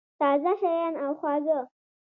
تازه شیان او خواږه